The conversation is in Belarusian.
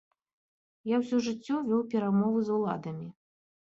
Я ўсё жыццё вёў перамовы з уладамі!